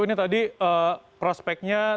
ini tadi prospeknya